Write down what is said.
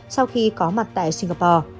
sau khi có mặt tại singapore